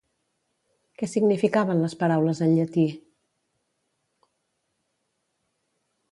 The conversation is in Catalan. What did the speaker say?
Què significaven les paraules en llatí?